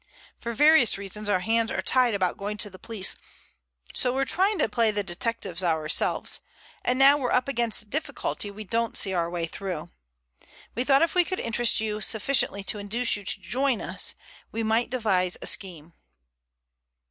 For various reasons our hands are tied about going to the police, so we're trying to play the detectives ourselves, and now we're up against a difficulty we don't see our way through. We thought if we could interest you sufficiently to induce you to join us, we might devise a scheme."